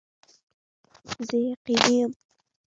زه یقیني یم